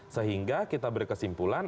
sehingga kita berkesimpulan